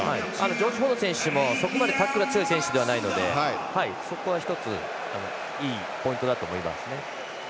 ジョージ・フォード選手もそこまでタックルが強い選手ではないので１ついいポイントだと思います。